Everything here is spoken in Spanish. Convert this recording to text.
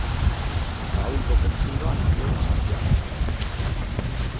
Raúl López Silva nació en Santiago.